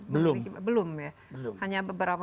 belum ya belum hanya beberapa